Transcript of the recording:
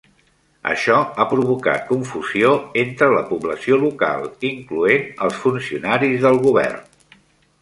Això ha provocat confusió entre la població local, incloent els funcionaris del govern.